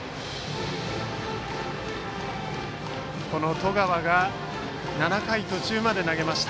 十川が７回途中まで投げました。